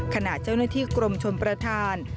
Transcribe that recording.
ขณะเจ้าหน้าที่กรมชนประธาน